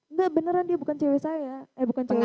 enggak beneran dia bukan cewek saya eh bukan cewek